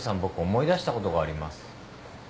僕思い出したことがあります。